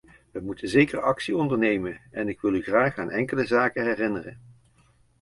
We moeten zeker actie ondernemen, en ik wil u graag aan enkele zaken herinneren.